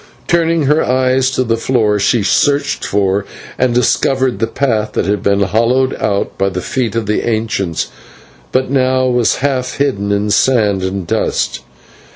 Turning her eyes to the floor, she searched for and discovered the path that had been hollowed out by the feet of the ancients, but now was half hidden in sand and dust.